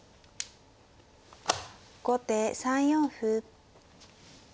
後手３四歩。